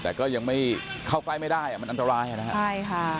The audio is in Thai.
แต่ก็ยังไม่เข้าใกล้ไม่ได้อ่ะมันอันตรายอ่ะนะฮะใช่ค่ะ